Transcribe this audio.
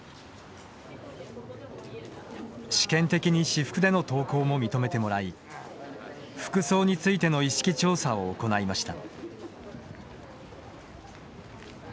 試験的に私服での登校も認めてもらい服装についての意識調査を行いました。